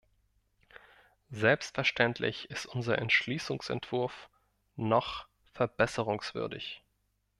Selbstverständlich ist unser Entschließungsentwurf noch verbesserungswürdig.